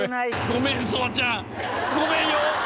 ごめんよ！